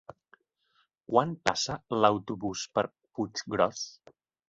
Quan passa l'autobús per Puiggròs?